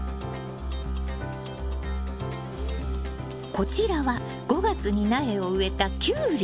こちらは５月に苗を植えたキュウリ。